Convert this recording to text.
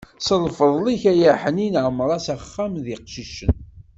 S lfeḍl-ik ay aḥnin, ɛemr-as axxam d iqcicen.